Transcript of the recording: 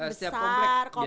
yang besar komplek